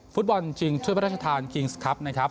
ฟุตบอลจึงชุดพระราชทานกิงสครัพท์นะครับ